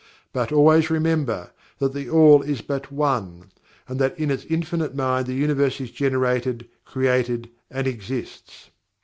But always remember, that THE ALL is but One, and that in its Infinite Mind the Universe is generated, created and exists.